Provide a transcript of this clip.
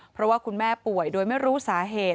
เพราะว่าคุณแม่ป่วยโดยไม่รู้สาเหตุ